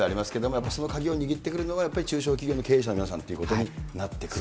やっぱりその鍵を握ってくるのが、やっぱり中小企業の経営者の皆さんということになってくると。